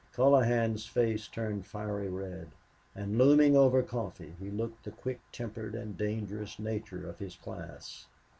Colohan's face turned fiery red, and, looming over Coffee, he looked the quick tempered and dangerous nature of his class.